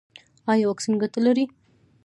ایا واکسین ګټه لري؟